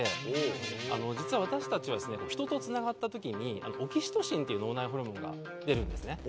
実は私たちはですね人とつながった時にオキシトシンという脳内ホルモンが出るんですね。